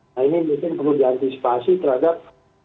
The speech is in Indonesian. nah ini mungkin perlu diantisipasi terhadap